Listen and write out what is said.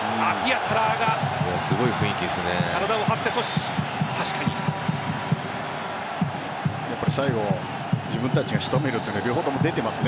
すごい雰囲気ですね。